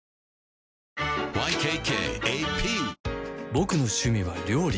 ボクの趣味は料理